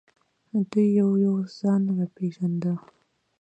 دوی یو یو ځان را پېژانده.